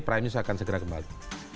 primus akan segera kembali